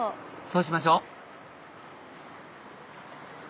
そうしましょ